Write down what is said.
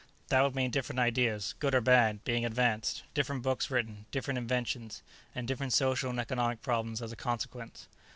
That would mean different ideas, good or bad, being advanced; different books written; different inventions, and different social and economic problems as a consequence."